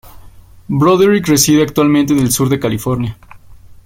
Broderick reside actualmente en el sur de California.